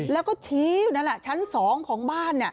แล้วก็ชี้อยู่นั่นแหละชั้น๒ของบ้าน